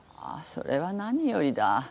それは何よりだ。